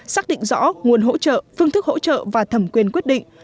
xác định rõ nguồn hỗ trợ phương thức hỗ trợ và thẩm quyền quyết định